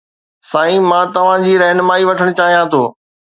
سائين، مان توهان جي رهنمائي وٺڻ چاهيان ٿو